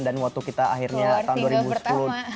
dan waktu kita akhirnya tahun dua ribu sepuluh keluar single pertama